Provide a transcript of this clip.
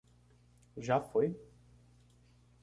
Já foi?